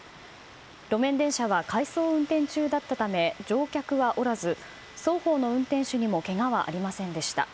路面電車は回送運転中だったため乗客はおらず、双方の運転手にもけがはありませんでした。